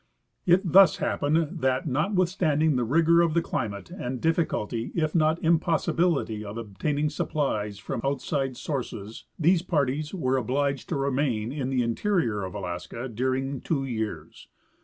It thus hap pened that, notwithstanding the rigor of the climate and the diffi culty, if not impossibility, of obtaining supplies from outside sources, these parties were obliged to remain in the interior of Alaska during two years.